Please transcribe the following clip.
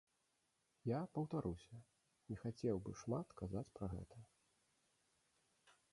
Я, паўтаруся, не хацеў бы шмат казаць пра гэта.